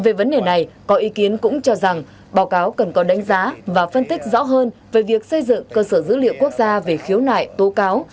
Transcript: về vấn đề này có ý kiến cũng cho rằng báo cáo cần có đánh giá và phân tích rõ hơn về việc xây dựng cơ sở dữ liệu quốc gia về khiếu nại tố cáo